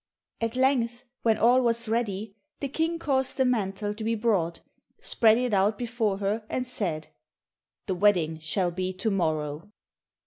At length, when all was ready, the King caused the mantle to be brought, spread it out before her, and said, "The wedding shall be to morrow."